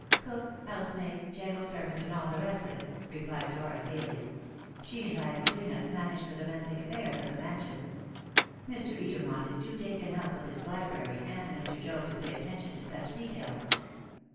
"Cook, housemaid, general servant, and all the rest of it," replied Dora gaily; "she and I between us manage the domestic affairs of the mansion. Mr. Edermont is too taken up with his library and Mr. Joad to pay attention to such details."